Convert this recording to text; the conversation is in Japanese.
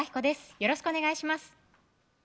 よろしくお願いします